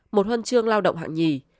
một huân chương lao động hạng hai